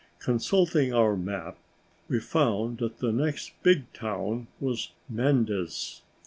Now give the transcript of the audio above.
Consulting our map we found that the next big town was Mendes.